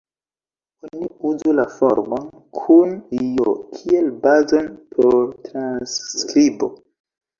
Oni uzu la formon kun "j" kiel bazon por transskribo.